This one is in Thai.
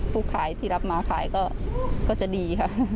ผู้ขายที่รับมาขายก็จะดีค่ะ